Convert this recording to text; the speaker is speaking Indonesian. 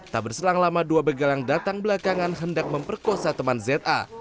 tak berselang lama dua begal yang datang belakangan hendak memperkosa teman za